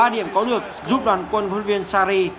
ba điểm có được giúp đoàn quân quân viên sarri